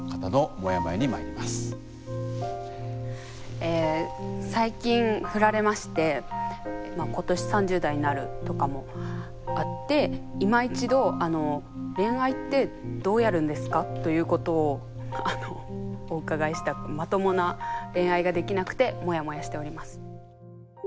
え最近振られまして今年３０代になるとかもあっていま一度恋愛ってどうやるんですかということをお伺いしたくてまともな恋愛ができなくてモヤモヤしております。